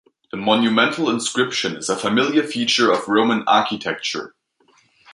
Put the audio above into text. The monumental inscription is a familiar feature of Roman architecture.